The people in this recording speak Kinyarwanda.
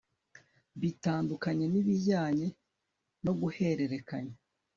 bitandukanye bijyanye no guhererekanya